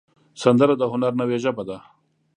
سندره د هنر نوې ژبه ده